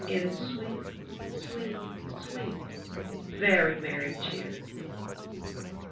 In * 'Sweet — sweet — sweet — very merry cheer."